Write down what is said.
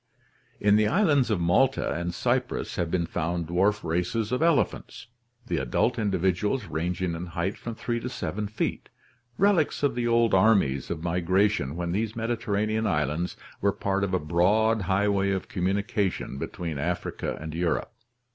In the islands of Malta and Cyprus have been found dwarf races of elephants, the adult individuals ranging in height from 3 to 7 feet, relics of the old armies of migration when these Mediter ranean islands were part of a broad highway of communication between Africa and Europe.